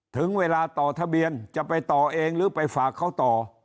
ถึงเวลาต่อทะเบียนจะไปต่อเองหรือไปฝากเขาต่อ